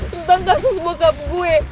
tentang kasus bokap gue